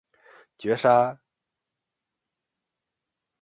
绝杀，减灶马陵自刎，成竖子矣